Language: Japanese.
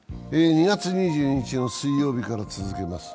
２月２２日の水曜日から続けます。